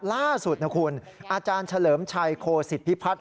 ล่าสุดนะคุณอาจารย์เฉลิมชัยโคสิตพิพัฒน์